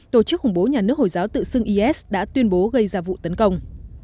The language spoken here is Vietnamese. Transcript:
tổ chức khủng bố nhà nước hồi giáo tự xưng is đã tuyên bố gây ra vụ tấn công